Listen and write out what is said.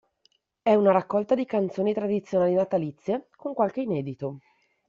È una raccolta di canzoni tradizionali natalizie, con qualche inedito.